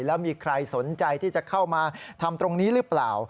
แล้วมีใครสนใจที่จะเข้ามาทำตรงนี้หรือเปล่า